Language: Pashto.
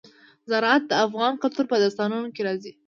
زراعت د افغان کلتور په داستانونو کې راځي.